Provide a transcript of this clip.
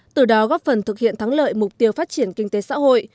từ đó góp phần thực hiện thắng lợi mục tiêu phát triển kinh tế xã hội